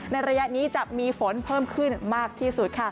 ระยะนี้จะมีฝนเพิ่มขึ้นมากที่สุด